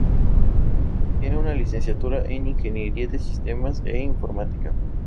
Tiene una Licenciatura en Ingeniería de Sistemas e Informática.